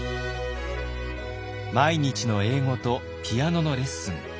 毎日の英語とピアノのレッスン。